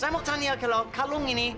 saya mau tanya kalau kalung ini